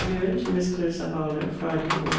LEWEN, TO MISS CL. HARLOWE FRIDAY, AUG.